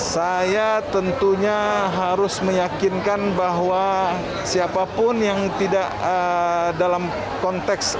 saya tentunya harus meyakinkan bahwa siapapun yang tidak dalam konteks